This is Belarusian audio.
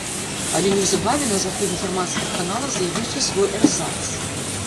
Але неўзабаве на заходнегерманскіх каналах з'явіўся свой эрзац.